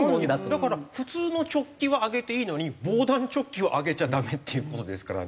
だから普通のチョッキはあげていいのに防弾チョッキはあげちゃダメっていう事ですからね。